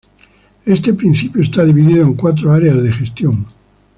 Este principio es dividido en cuatro áreas de gestión.